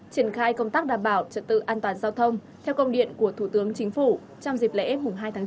triển khai công tác đảm bảo trật tự an toàn giao thông theo công điện của thủ tướng chính phủ trong dịp lễ hai tháng chín